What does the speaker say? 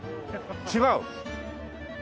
違う？